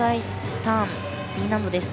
ターンＤ難度です。